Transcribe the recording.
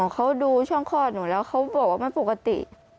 เขาดูช่องคลอดหนูแล้วเขาบอกว่าไม่ปกติ